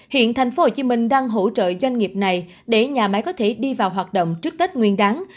hiện thành phố hồ chí minh đang hỗ trợ doanh nghiệp này để nhà máy có thể đi vào hoạt động trước tết nguyên đáng